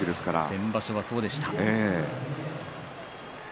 先場所はそうでした。